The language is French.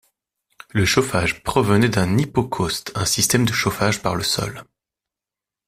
Le chauffage provenait d'un hypocauste, un système de chauffage par le sol.